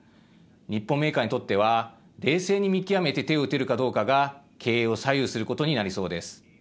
日本メーカーにとっては冷静に見極めて手を打てるかどうかが経営を左右することになりそうです。